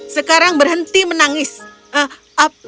sekarang berhenti menangis